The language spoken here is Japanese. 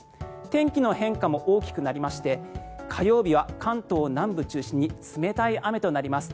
天気の変化も大きくなりまして火曜日は関東南部を中心に冷たい雨となります。